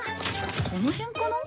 この辺かな？